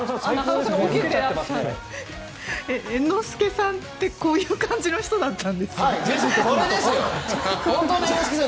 猿之助さんってこういう感じの人だったんですね。